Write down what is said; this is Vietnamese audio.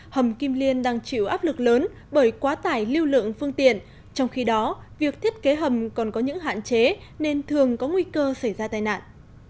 hầm kim liên đang chịu áp lực lớn bởi quá tải lưu lượng phương tiện trong khi đó việc thiết kế hầm còn có những hạn chế nên thường có nguy cơ xảy ra tai nạn